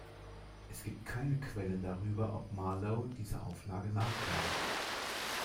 Es gibt keine Quellen darüber, ob Marlowe dieser Auflage nachkam.